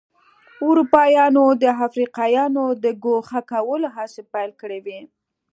اروپایانو د افریقایانو د ګوښه کولو هڅې پیل کړې وې.